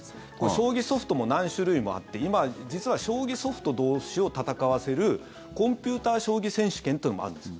将棋ソフトも何種類もあって今、実は将棋ソフト同士を戦わせるコンピューター将棋選手権というのもあるんです。